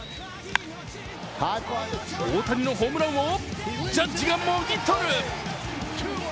大谷のホームランをジャッジがもぎ取る。